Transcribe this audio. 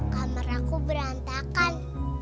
kamar aku berantakan